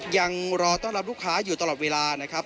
ยังรอต้อนรับลูกค้าอยู่ตลอดเวลานะครับ